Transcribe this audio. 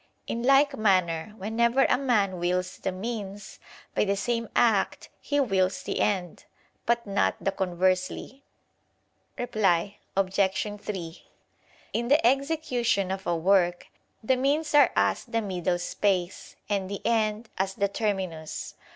In like manner whenever a man wills the means, by the same act he wills the end; but not the conversely. Reply Obj. 3: In the execution of a work, the means are as the middle space, and the end, as the terminus.